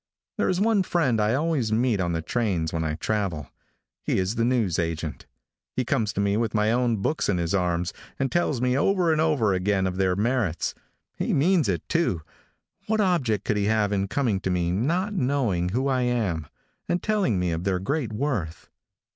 There is one friend I always meet on the trains when I travel. He is the news agent. He comes to me with my own books in his arms, and tells me over and over again of their merits. He means it, too. What object could he have in coming to me, not knowing who I am, and telling me of their great worth?